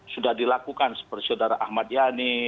sudah dilakukan seperti saudara ahmad yani